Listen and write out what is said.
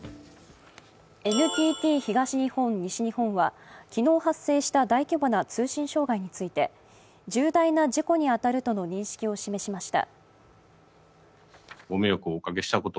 ＮＴＴ東日本・西日本は昨日発生した大規模な通信障害について重大な事故に当たるとの認識を示しました。